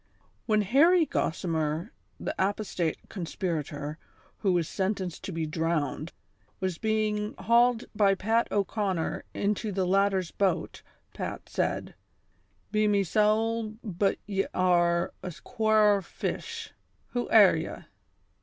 jHEN Harry Gossimer, the apostate conspirator, who was sentenced to be drowned, was being hauled by Pat O'Conner into the latter's boat, Pat said :" Be me sowl, but ye are a quare fish ; who air ye